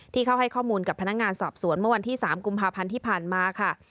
เข้าให้ข้อมูลกับพนักงานสอบสวนเมื่อวันที่๓กุมภาพันธ์ที่ผ่านมาค่ะ